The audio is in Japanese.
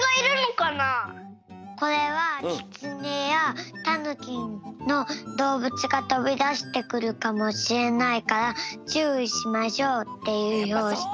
これはキツネやタヌキのどうぶつがとびだしてくるかもしれないからちゅういしましょうっていうひょうしき。